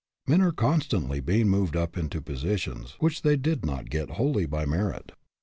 Men are constantly being moved up into positions which they did not get wholly by merit.